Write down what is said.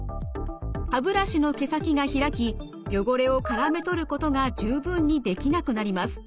歯ブラシの毛先が開き汚れをからめ取ることが十分にできなくなります。